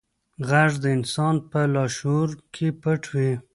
غږ د انسان په لاشعور کې پټ وي.